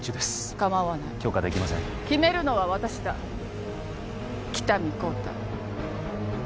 構わない許可できません決めるのは私だ喜多見幸太